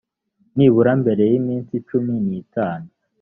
nibura mbere y iminsi cumi n itanu